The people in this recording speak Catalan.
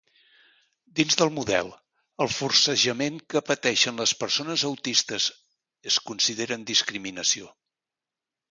Dins del model, el forcejament que pateixen les persones autistes es consideren discriminació.